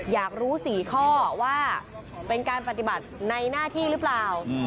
อยากรู้๔ข้อว่าเป็นการปฏิบัติในหน้าที่หรือเปล่า